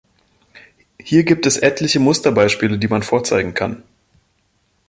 Hier gibt es etliche Musterbeispiele, die man vorzeigen kann.